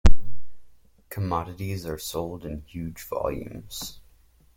Commodities are sold in huge volumes.